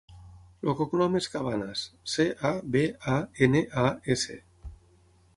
El cognom és Cabanas: ce, a, be, a, ena, a, essa.